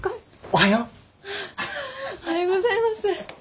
おはようございます。